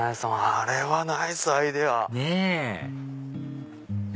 あれはナイスアイデア。ねぇ！